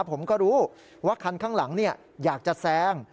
ผมก็รู้ว่าคันข้างหลังอยากจะแซง